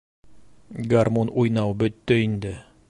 Гармун уйнау бөттө инде!